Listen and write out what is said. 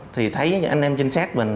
thì thấy anh em trinh sát mình